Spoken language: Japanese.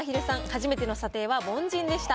初めての査定は凡人でした。